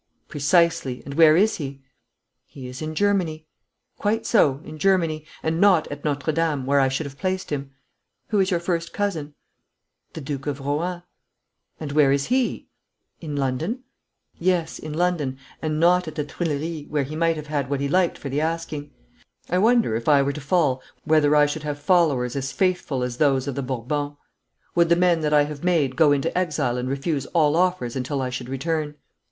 'Precisely. And where is he?' 'He is in Germany.' 'Quite so in Germany, and not at Notre Dame, where I should have placed him. Who is your first cousin?' 'The Duke de Rohan.' 'And where is he?' 'In London.' 'Yes, in London, and not at the Tuileries, where he might have had what he liked for the asking. I wonder if I were to fall whether I should have followers as faithful as those of the Bourbons. Would the men that I have made go into exile and refuse all offers until I should return?